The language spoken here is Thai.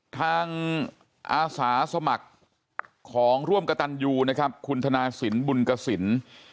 ทางอาสาสมัครของร่วมกตันยูนะครับคุณธนาศิลป์บุญกศิลป์